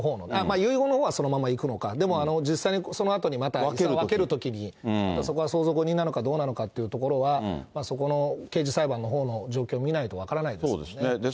遺言のほうはそのままいくのか、でも、実際にそのあとにまた、遺産を分けるときに、そこは相続人なのかどうなのかというところは、そこの刑事裁判のほうの状況見ないと分からないです。